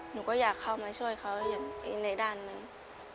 หนูก็อยากเข้ามาช่วยเขาอย่างในด้านหนึ่ง